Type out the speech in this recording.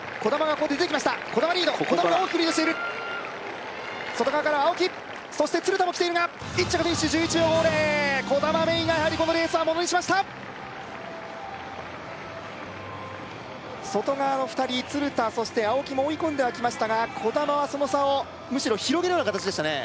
ここから兒玉が大きくリードしている外側から青木そして鶴田も来ているが１着フィニッシュ１１秒５０兒玉芽生がやはりこのレースはものにしました外側の２人鶴田そして青木も追い込んではきましたが兒玉はその差をむしろ広げるような形でしたね